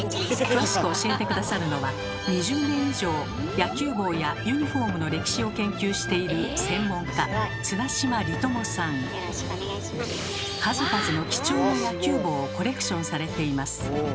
詳しく教えて下さるのは２０年以上野球帽やユニフォームの歴史を研究している数々の貴重な野球帽をコレクションされています。